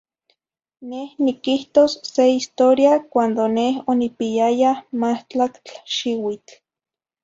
Neh niquihtoz ce historia cuando neh onipiyaya mahtlactl xiuitl.